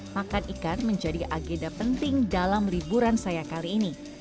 makan ikan menjadi agenda penting dalam liburan saya kali ini